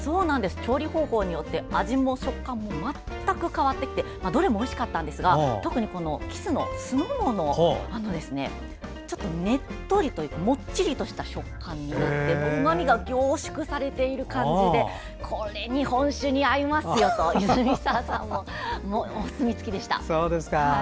調理方法によって味も食感も全く変わってきてどれもおいしかったですが特にキスの酢の物はちょっとねっとりというかもっちりとした食感になっていてうまみが凝縮されている感じでこれは日本酒に合いますと泉澤さんのお墨付きでした。